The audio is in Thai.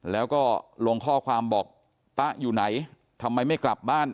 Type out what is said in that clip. แล้วก็ลงข้อความบอกป๊าอยู่ไหนทำไมไม่กลับบ้าน